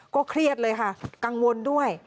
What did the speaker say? เครียดเลยค่ะกังวลด้วย